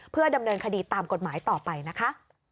เพื่อดำเนินคดีตามกฎหมายต่อไปนะคะ